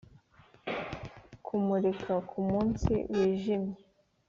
kumurika kumunsi wijimye